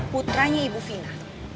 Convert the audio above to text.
putranya ibu fina